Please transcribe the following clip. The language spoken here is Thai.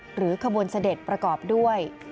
ขบวนเสด็จประกอบด้วย